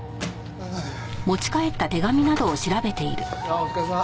ああお疲れさん。